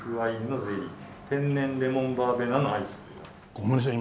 ごめんなさい。